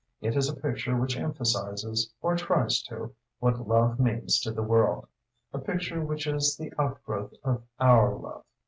It is a picture which emphasises, or tries to, what love means to the world, a picture which is the outgrowth of our love.